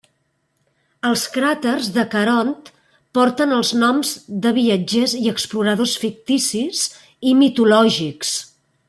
Els cràters de Caront porten els noms de viatgers i exploradors ficticis i mitològics.